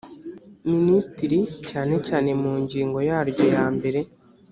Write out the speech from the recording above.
minisitiri cyane cyane mu ngingo yaryo yambere